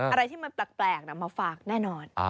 อะไรที่มันแปลกมาฝากแน่นอน